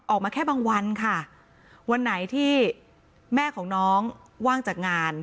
ออกมาแค่บางวันค่ะวันไหนที่แม่ของน้องว่างจากงาน